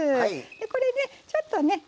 これでちょっとね